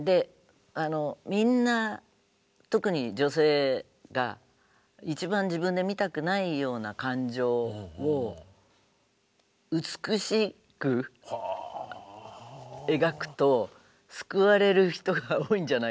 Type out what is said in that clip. みんな特に女性が一番自分で見たくないような感情を美しく描くと救われる人が多いんじゃないかな。